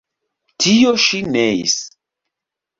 Tio ŝi neis.